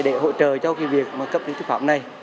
để hỗ trợ cho việc cấp lý lịch tư pháp này